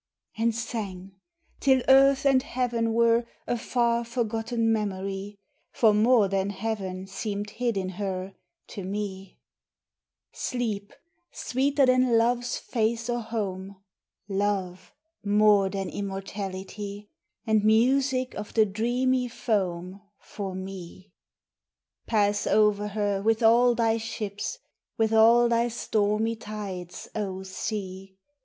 And sang; till Earth and Heaven were A far, forgotten memory; For more than Heaven seemed hid in her To me: Sleep, sweeter than love's face or home; Love, more than immortality; And music of the dreamy foam For me. Pass over her with all thy ships With all thy stormy tides, O sea!